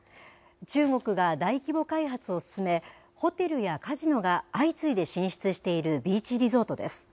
中国が大規模開発を進め、ホテルやカジノが相次いで進出しているビーチリゾートです。